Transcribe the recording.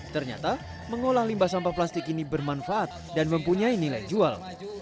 ternyata mengolah limbah sampah plastik ini bermanfaat dan mempunyai nilai jual